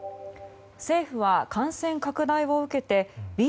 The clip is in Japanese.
政府は感染拡大を受けてＢＡ．